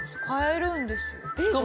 買えるんですよ。